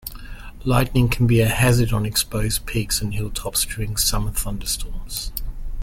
Lightning can be a hazard on exposed peaks and hilltops during summer thunderstorms.